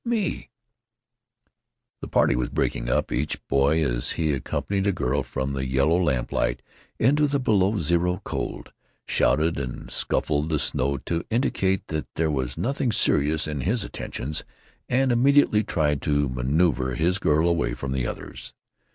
Me!" The party was breaking up. Each boy, as he accompanied a girl from the yellow lamplight into the below zero cold, shouted and scuffled the snow, to indicate that there was nothing serious in his attentions, and immediately tried to manœuver his girl away from the others.